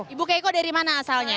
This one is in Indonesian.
ibu keiko dari mana asalnya